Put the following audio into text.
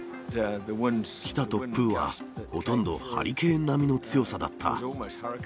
来た突風はほとんどハリケーン並みの強さだった。